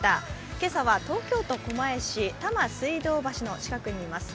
今朝は東京都狛江市多摩水道橋の近くにいます。